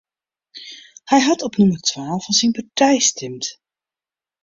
Hy hat op nûmer twa fan syn partij stimd.